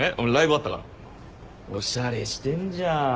おしゃれしてんじゃん。